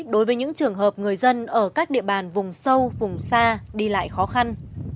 đối với những trường hợp người dân ở các địa bàn vùng sâu vùng xa đi lại khó khăn